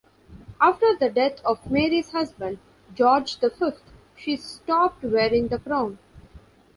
After the death of Mary's husband, George the Fifth, she stopped wearing the crown.